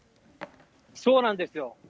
そうなんですよ。